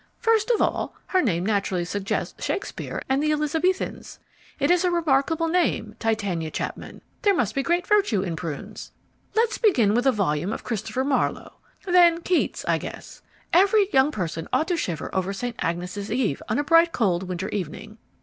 First of all, her name naturally suggests Shakespeare and the Elizabethans. It's a remarkable name, Titania Chapman: there must be great virtue in prunes! Let's begin with a volume of Christopher Marlowe. Then Keats, I guess: every young person ought to shiver over St. Agnes' Eve on a bright cold winter evening.